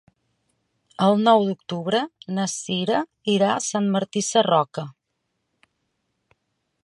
El nou d'octubre na Sira irà a Sant Martí Sarroca.